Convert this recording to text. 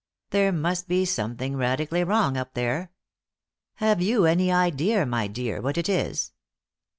There must be something radically wrong up there. Have you any idea, my dear, what it is?"